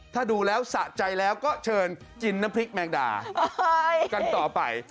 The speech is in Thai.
ถ้าดูแล้วสะใจแล้วก็เชิญกินน้ำพริกแมงดากันต่อไป